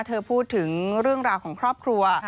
เธอพูดถึงเรื่องราวของครอบครัว